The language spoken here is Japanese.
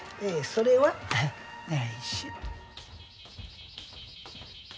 それはないしょ。